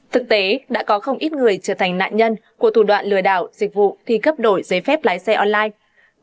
thực tế đã có không ít người trở thành nạn nhân của thủ đoạn lừa đảo dịch vụ thi cấp đổi giấy phép lái xe online